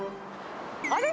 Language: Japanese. あれ？